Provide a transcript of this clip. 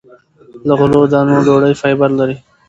له غلو- دانو ډوډۍ فایبر لري.